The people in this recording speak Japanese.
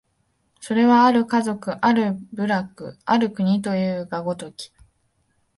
それは或る家族、或る部落、或る国というが如き、